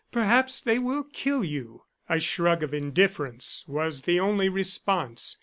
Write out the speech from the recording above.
"Perhaps they will kill you!" A shrug of indifference was the only response.